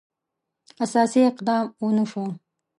اساسي اقدام ونه شو.